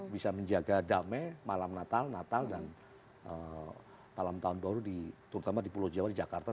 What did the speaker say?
bisa menjaga damai malam natal natal dan malam tahun baru terutama di pulau jawa di jakarta